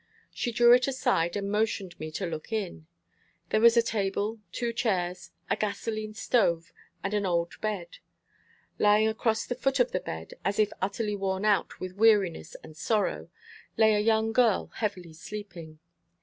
She drew it aside, and motioned me to look in. There was a table, two chairs, a gasoline stove, and an old bed. Lying across the foot of the bed, as if utterly worn out with weariness and sorrow, lay a young girl heavily sleeping.